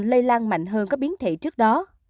lây lan mạnh hơn các biến thể trước đó